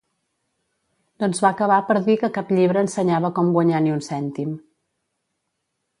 Doncs va acabar per dir que cap llibre ensenyava com guanyar ni un cèntim.